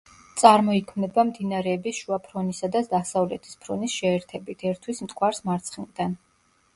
წარმოიქმნება მდინარეების შუა ფრონისა და დასავლეთის ფრონის შეერთებით, ერთვის მტკვარს მარცხნიდან.